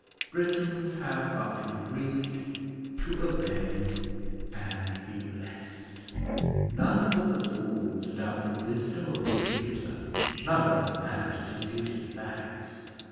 Britons have but to read, to obey, and be blessed. None but the fools doubt the wisdom of The Jupiter; none but the mad dispute its facts.